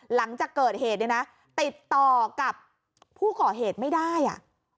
หลังจากเกิดเหตุเนี่ยนะติดต่อกับผู้ก่อเหตุไม่ได้อ่ะ